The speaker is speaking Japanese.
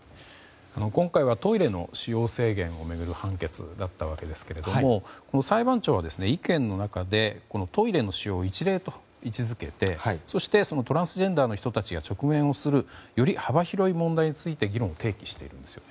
今回はトイレの使用制限を巡る判決だったわけですが裁判長は意見の中でトイレの使用を一例と位置付けてそして、トランスジェンダーの人たちが直面をするより幅広い問題について議論を提起しているんですね。